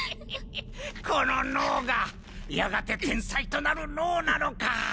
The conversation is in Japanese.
この脳がやがて天才となる脳なのか！